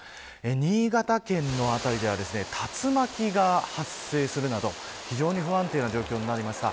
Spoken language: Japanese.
新潟県の辺りでは、竜巻が発生するなど非常に不安定な状況になりました。